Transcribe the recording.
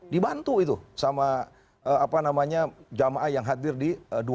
dibantu itu sama apa namanya jamaah yang hadir di dua ratus dua belas